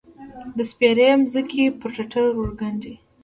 د سپیرې مځکې، پر ټټر ورګنډې